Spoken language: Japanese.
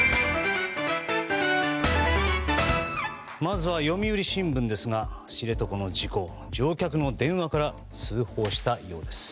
まずは読売新聞ですが知床の事故、乗客の電話から通報したようです。